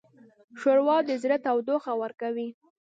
ښوروا د زړه تودوخه ورکوي.